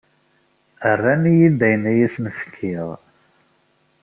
Rran-iyi-d ayen i asen-fkiɣ.